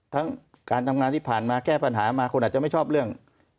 ทั้งการทำงานที่ผ่านมาแก้ปัญหามาคนอาจจะไม่ชอบเรื่อง